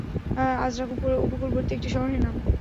আযরাক উপকূলবর্তী একটি শহরের নাম।